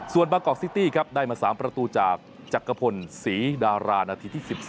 ส่วนมากอกซิตี้ครับได้มา๓ประตูจากจักรพลศรีดารานาทีที่๑๓